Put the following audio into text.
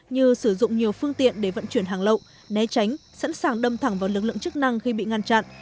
như sử dụng nhiều phương tiện để vận chuyển hàng lậu né tránh sẵn sàng đâm thẳng vào lực lượng chức năng khi bị ngăn chặn